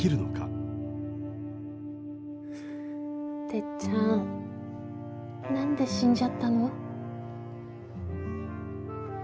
てっちゃん何で死んじゃったの？